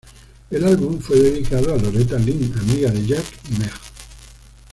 El álbum fue dedicado a Loretta Lynn, amiga de Jack y Meg.